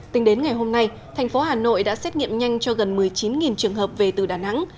tính đến ngày hôm nay thành phố hà nội đã xét nghiệm nhanh cho gần một mươi chín trường hợp về từ đà nẵng